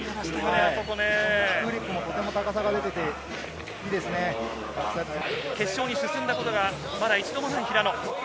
インディフリップも高さが出て決勝に進んだことがまだ一度もない平野。